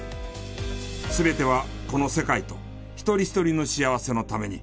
全てはこの世界と一人一人の幸せのために。